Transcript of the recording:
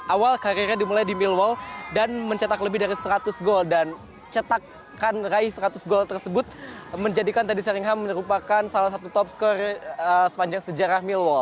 awal karirnya dimulai di millwall dan mencetak lebih dari seratus gol dan cetakkan raih seratus gol tersebut menjadikan teddy sheringham merupakan salah satu top scorer sepanjang sejarah